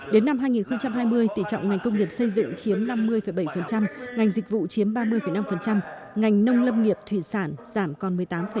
đến năm hai nghìn hai mươi tỉ trọng ngành công nghiệp xây dựng chiếm năm mươi bảy ngành dịch vụ chiếm ba mươi năm ngành nông lâm nghiệp thủy sản giảm còn một mươi tám